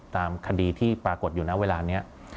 ตามคดีที่ปรากฏอยู่ณเวลานี้